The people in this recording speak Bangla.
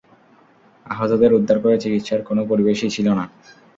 আহতদের উদ্ধার করে চিকিৎসার কোন পরিবেশই ছিল না।